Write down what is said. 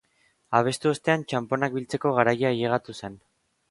Abestu ostean, txaponak biltzeko garaia ailegatu zen.